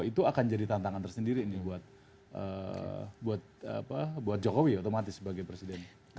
itu akan jadi tantangan tersendiri buat jokowi otomatis sebagai presiden